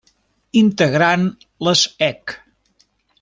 Integrant les ec.